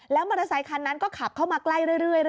แล้วมอเตอร์ไซค์คันนั้นก็ขับเข้ามาใกล้